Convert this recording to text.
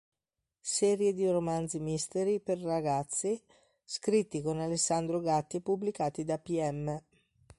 Serie di romanzi mistery per ragazzi scritti con Alessandro Gatti e pubblicati da Piemme